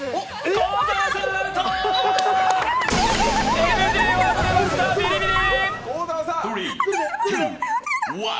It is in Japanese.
幸澤さんアウト、ＮＧワードでした、ビリビリ！